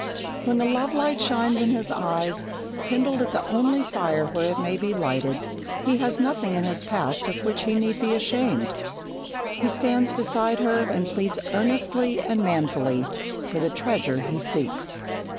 When the love light shines in his eyes, kindled at the only fire where it may be lighted, he has nothing in his past of which he need be ashamed. He stands beside her and pleads earnestly and manfully for the treasure he seeks.